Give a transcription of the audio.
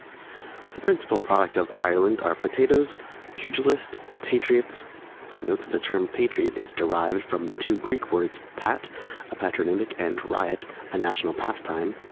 The principal products of Ireland are Potatoes, Pugilists, Patriots,[A] Poteen and Bernard Shaw. [A] The term Patriot is derived from two Greek words, Pat, a patronymic, and Riot, a national pastime.